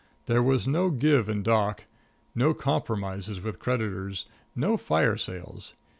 There was no give in Doc; no compromises with creditors; no fire sales.